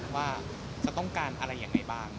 ว่าจะต้องการอะไรยังไงบ้าง